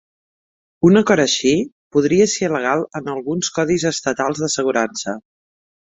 Un acord així podria ser il·legal en alguns codis estatals d'assegurança.